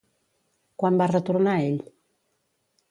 Quan va retornar ell?